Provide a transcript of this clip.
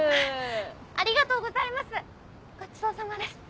ありがとうございますごちそうさまです。